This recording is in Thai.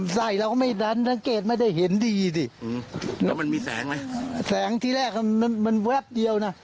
แสงที่แรกมันแว๊บเดียวนะ